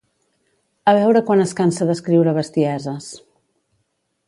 A veure quan es cansa d'escriure bestieses